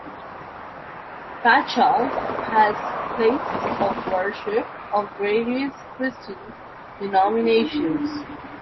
Patchogue has places of worship of various Christian denominations.